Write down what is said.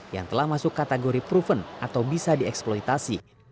yang telah masuk kategori proven atau bisa dieksploitasi